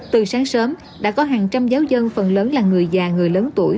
từ sáng sớm đã có hàng trăm giáo dân phần lớn là người già người lớn tuổi